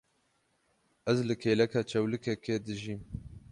Ez li kêleka çewlikekê dijîm.